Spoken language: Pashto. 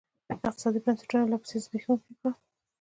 اقتصادي بنسټونه یې لاپسې زبېښونکي کړل.